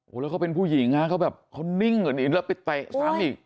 อูแล้วเป็นผู้หญิงนะก็แบบนิ่งหลังอีก